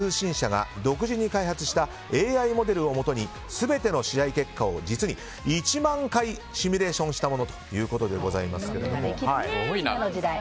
ＪＸ通信社が独自に開発したＡＩモデルをもとに全ての試合結果を実に１万回シミュレーションしたものということです。